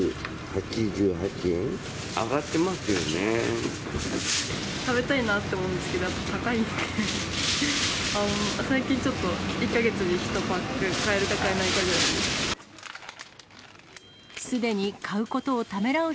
食べたいなって思うんですけど、やっぱ高いので、最近ちょっと、１か月に１パック買えるか買えないかぐらい。